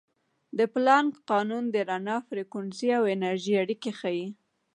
د پلانک قانون د رڼا فریکونسي او انرژي اړیکې ښيي.